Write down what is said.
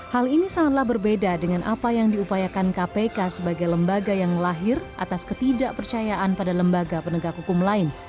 hal ini sangatlah berbeda dengan apa yang diupayakan kpk sebagai lembaga yang lahir atas ketidakpercayaan pada lembaga penegak hukum lain